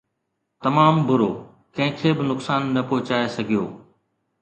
تمام برو! ڪنهن کي به نقصان نه پهچائي سگهيو